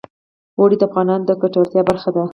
اوړي د افغانانو د ګټورتیا برخه ده.